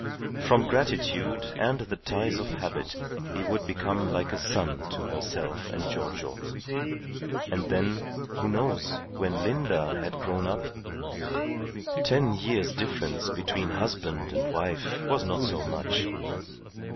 From gratitude and the ties of habit he would become like a son to herself and Giorgio; and then, who knows, when Linda had grown up. ... Ten years' difference between husband and wife was not so much.